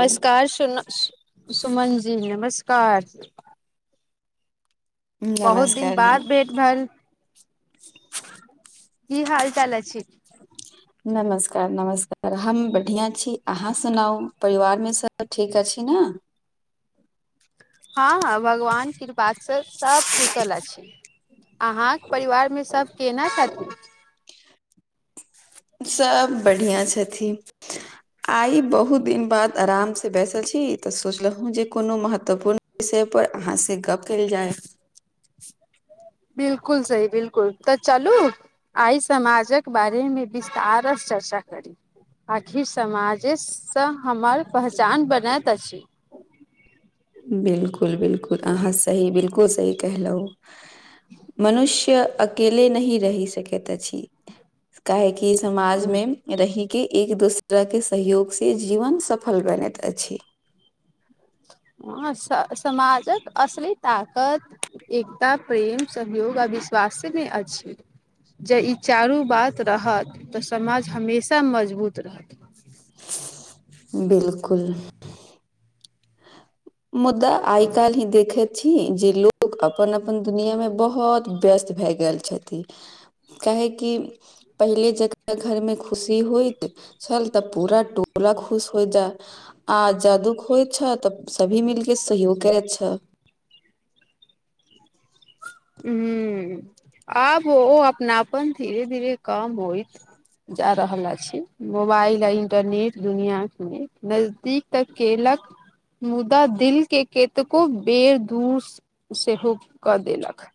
नमस्कार सुन सु सुमन जी नमस्कार। बहुत दिन नमस्कार न बाद भेट भेल। की हाल चाल अछि। [unintelligible] नमस्कार नमस्कार हम बढ़िआँ छी अहाँ सुनाउ परिवारमे सभ ठीक अछि न। हँ हँ भगवान कृपास स सब कुशल अछि। अहाँक परिवारमे सभ केना छथिन। सब बढ़िआँ छथिन। आइ बहुत दिन बाद आराम से बैसल छी तऽ सोचलहुं जे कोनो महत्वपूर्ण। विषय पर अहाँसे गप केल जाय। बिल्कुल सही बिल्कुल तऽ चलू। आइ समाजक बारे मे विस्तारस। चर्चा करी आखिर समाजेसँ हमर पहचान बनैत अछि। बिलकुल बिलकुल अहाँ सही बिलकुल सही कहलहु। मनुष्य अकेले नहि रहि सकैत अछि। काहेेकी समाजमे रहि के एक दूसरा के सहयोग से जीवन सं। फल बनैत अछि। ह समाजक असली ताकत। एकता प्रेम सहयोग आ विश्वास में अछि। जँ ई चारू बात रहत तऽ समाज हमेशा मजबूत रहत। बिलकुल। मुद्दा आय कालही देखे छी जे लोग अपन अपन दुनिया में बहोत व्यस्त भय गेल। काहेकि पहिले जेकरा घर मे खुशी होइत। छल तऽ पूरा टोला खुश हो जाय आ जादूख होइ छ तऽ। सभी मिलके सहयोग करैत छ। हूँ आब ओहो अपनापन धीरे धीरे कम होइत। जा रहल अछि। मोबाइल आ इंटरनेट दुनिया के नजदीक तक केलक। मुदा दिल के कतेको बेर दूर सेहो कऽ देलक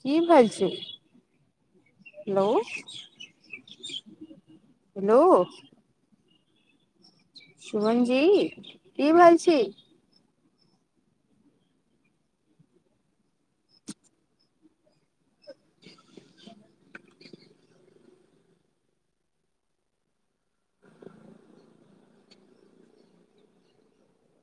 की बजै छी हेलो हेलो शुभम जी की भैल छी [inaudible]